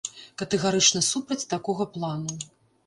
Катэгарычна супраць такога плану.